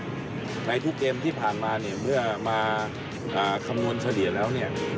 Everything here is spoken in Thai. ในทุกเกมที่ผ่านมาเนี่ยเมื่อมาคำนวณเฉลี่ยแล้วเนี่ย